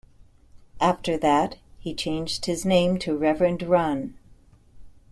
After that he changed his name to "Reverend Run".